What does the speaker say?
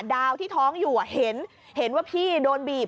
ดาวที่ท้องอยู่เห็นเห็นว่าพี่โดนบีบ